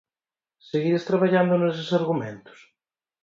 Seguides traballando neses argumentos?